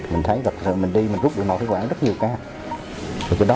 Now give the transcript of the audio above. mình thấy thật sự mình đi mình rút được nội thức quản rất nhiều cái